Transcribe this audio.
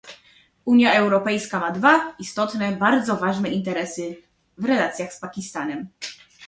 Unia Europejska ma dwa istotne, bardzo ważne interesy w relacjach z Pakistanem